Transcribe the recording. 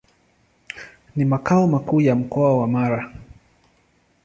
Ni makao makuu ya Mkoa wa Mara.